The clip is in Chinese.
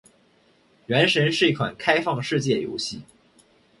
《原神》是一款开放世界游戏。